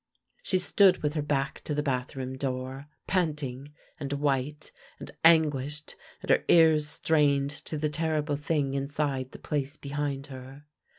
She stood with her back to the bathroom door, panting, and white, and anguished, and her ears strained to the terrible thing inside the place behind her.